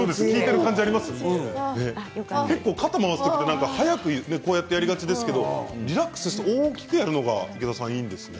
肩を回すって早くやりがちですけどリラックスして大きくやるのがいいんですね。